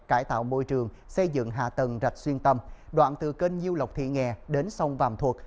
cải tạo môi trường xây dựng hạ tầng rạch xuyên tâm đoạn từ kênh nhiêu lộc thị nghè đến sông vàm thuật